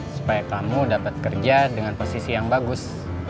supaya kamu dapat kerja dengan posisi yang bagus